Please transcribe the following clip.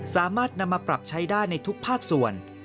สามารถนำมาปรับใช้ได้ในทุกภาคส่วน